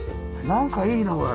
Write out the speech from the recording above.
なんかいいなこれ！